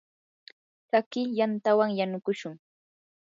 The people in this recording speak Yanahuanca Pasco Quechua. tsakiy yantawan yanukushun.